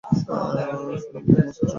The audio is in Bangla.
স্যার আমার এক মাসের ছুটি দরকার।